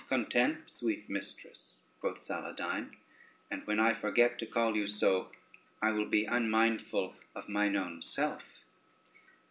"Content, sweet mistress," quoth Saladyne, "and when I forget to call you so, I will be unmindful of mine own self."